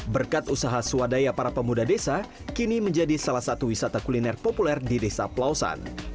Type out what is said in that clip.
berkat usaha swadaya para pemuda desa kini menjadi salah satu wisata kuliner populer di desa pelausan